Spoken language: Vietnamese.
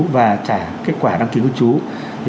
và trả kết quả đăng ký cư trú